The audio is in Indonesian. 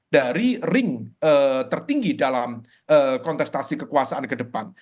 dari ring tertinggi dalam kontestasi kekuasaan kedepan